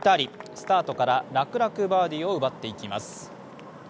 スタートから楽々バーディーを奪っていきます。